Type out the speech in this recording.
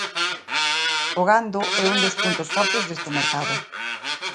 O gando é un dos puntos fortes deste mercado.